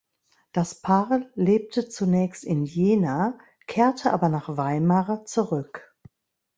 Das Paar lebte zunächst in Jena, kehrte aber nach Weimar zurück.